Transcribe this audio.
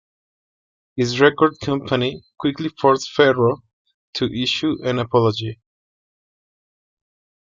His record company quickly forced Ferro to issue an apology.